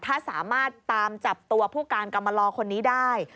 ถ้าสามารถตามจับตัวผู้การกรรมลอคนนี้ได้